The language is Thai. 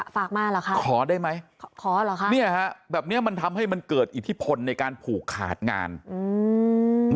ฝากมาเหรอคะขอได้ไหมขอเหรอคะเนี่ยฮะแบบเนี้ยมันทำให้มันเกิดอิทธิพลในการผูกขาดงานอืม